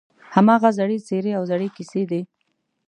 هماغه زړې څېرې او زړې کیسې دي.